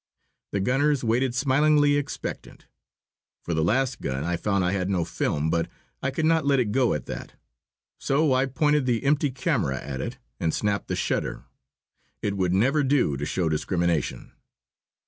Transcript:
The gunners waited smilingly expectant. For the last gun I found I had no film, but I could not let it go at that. So I pointed the empty camera at it and snapped the shutter. It would never do to show discrimination.